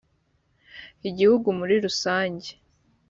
igihugu muri rusange